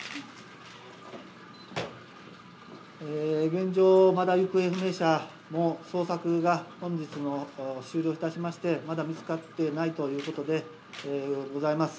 現状、まだ行方不明者の捜索が本日終了いたしまして、まだ見つかってないということでございます。